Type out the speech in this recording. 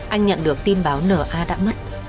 anh nhận được tin báo n a đã mất